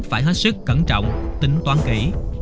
phải hết sức cẩn trọng tính toán kỹ